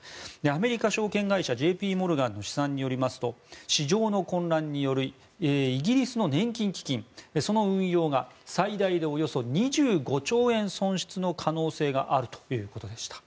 アメリカ証券会社ＪＰモルガンの試算によりますと市場の混乱によりイギリスの年金基金その運用が最大でおよそ２５兆円損失の可能性があるということでした。